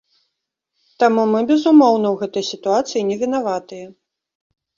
Таму мы, безумоўна, у гэтай сітуацыі не вінаватыя.